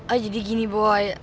ah jadi gini boy